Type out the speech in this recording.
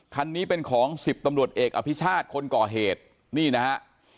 คันนี้เป็นของ๑๐ตำรวจเอกอภิชาติคนก่อเหตุนี่นะฮะ